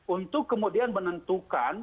untuk kemudian menentukan